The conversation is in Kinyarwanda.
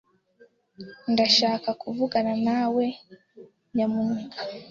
Ndashaka kuvuganawe nawe , nyamuneka.